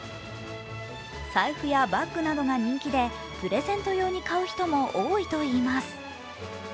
財布やバッグなどが人気で、プレゼント用に買う人も多いといいます。